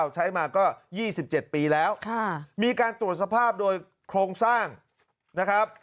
ใช้มาก็๒๗ปีแล้วมีการตรวจสภาพโดยโครงสร้างนะครับ